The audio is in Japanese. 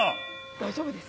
大丈夫ですか？